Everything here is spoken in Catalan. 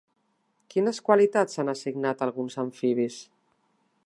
Quines qualitats s'han assignat a alguns amfibis?